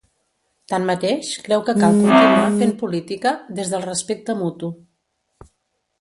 Tanmateix, creu que cal continuar fent política ‘des del respecte mutu’.